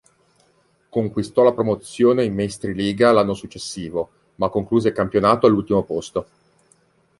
Conquistò la promozione in Meistriliiga l'anno successivo, ma concluse il campionato all'ultimo posto.